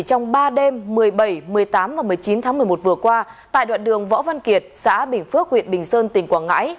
trong ba đêm một mươi bảy một mươi tám và một mươi chín tháng một mươi một vừa qua tại đoạn đường võ văn kiệt xã bình phước huyện bình sơn tỉnh quảng ngãi